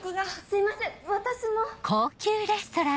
・すいません